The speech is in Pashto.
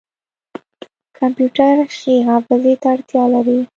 کمپیوټر ښې حافظې ته اړتیا لري.